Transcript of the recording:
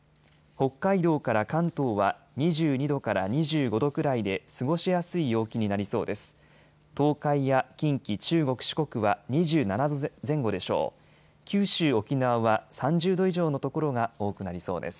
北海道から関東は２２度から２５度くらいで過ごしやすい陽気になりそうです。